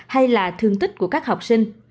hay là thương tích của các học sinh